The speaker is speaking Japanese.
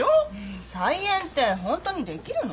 再演ってホントにできるの？